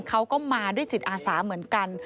เขาก็มาด้วยจิตอาสาเหมือนกัน